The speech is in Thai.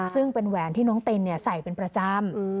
ซึ่งเป็นแหวนที่น้องตินใส่เป็นประจำ